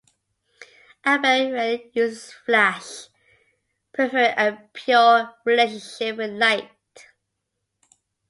Abell rarely uses flash, preferring a pure relationship with light.